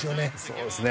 そうですね。